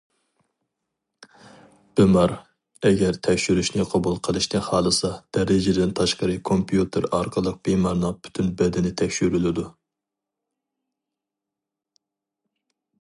بىمار ئەگەر تەكشۈرۈشنى قوبۇل قىلىشنى خالىسا، دەرىجىدىن تاشقىرى كومپيۇتېر ئارقىلىق بىمارنىڭ پۈتۈن بەدىنى تەكشۈرۈلىدۇ.